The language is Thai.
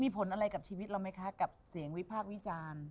มีผลอะไรกับชีวิตเราไหมคะกับเสียงวิพากษ์วิจารณ์